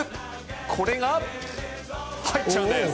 これが入っちゃうんです。